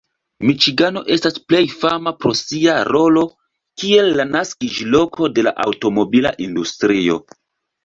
Miĉigano estas plej fama pro sia rolo kiel la naskiĝloko de la aŭtomobila industrio.